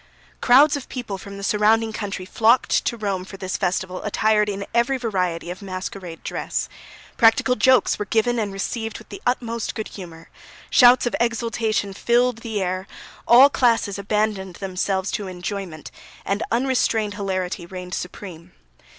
Crowds of people from the surrounding country flocked to Rome for this festival attired in every variety of masquerade dress; practical jokes were given and received with the utmost good humour, shouts of exultation filled the air, all classes abandoned themselves to enjoyment, and unrestrained hilarity reigned supreme.